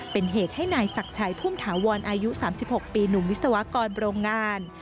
เป็นเหตุให้นายศักดิ์ชัยพุ่มถาวรอายุ๓๖ปีหนุ่มวิศวกรโรงงาน